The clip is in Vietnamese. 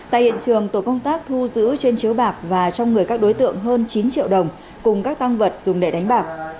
tại hiện trường tổ công tác thu giữ trên chiếu bạc và trong người các đối tượng hơn chín triệu đồng cùng các tăng vật dùng để đánh bạc